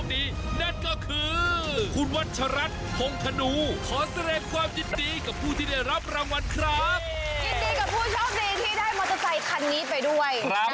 ยินดีกับผู้โชคดีที่ได้มอเตอร์ไซคันนี้ไปด้วย